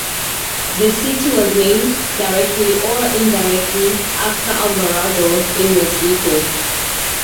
The city was named, directly or indirectly, after Alvarado, in Mexico.